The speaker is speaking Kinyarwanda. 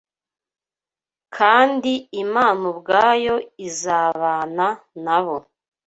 kandi Imana ubwayo izabana na bo